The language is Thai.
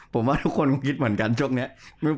ผมว่าทุกคนคิดเหมือนกันช่วงนี้